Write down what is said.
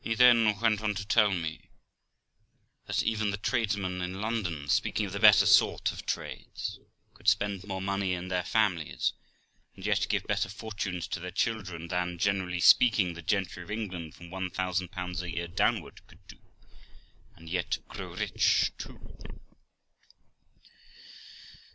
He went on to tell me, that even the tradesmen in London, speaking of the better sort of trades, could spend more money in their families, and yet give better fortunes to their children, than, generally speaking, the gentry of England from 1000 a year downward could do, and yet grow rich too.